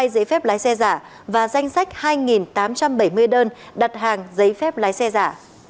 hai giấy phép lái xe giả và danh sách hai tám trăm bảy mươi đơn đặt hàng giấy phép lái xe giả